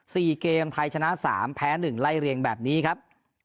สี่เกมไทยชนะสามแพ้หนึ่งไล่เรียงแบบนี้ครับ